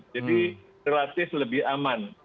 jadi relatif lebih aman